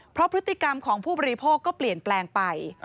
เพราะพฤติกรรมของผู้บริโภคก็เปลี่ยนแปลงไป